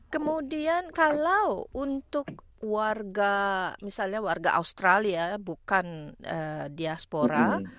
kemudian kalau untuk warga misalnya warga australia bukan diaspora